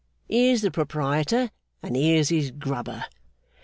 Here's the Proprietor, and here's his Grubber.